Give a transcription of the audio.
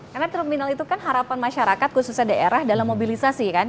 karena terminal itu kan harapan masyarakat khususnya daerah dalam mobilisasi kan